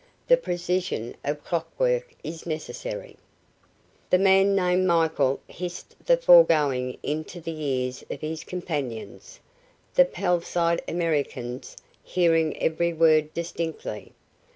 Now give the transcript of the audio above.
The precision of clock work is necessary." The man named Michael hissed the foregoing into the ears of his companions, the palsied Americans hearing every word distinctly.